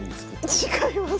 違います。